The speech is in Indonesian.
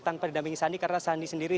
tanpa didampingi sandi karena sandi sendiri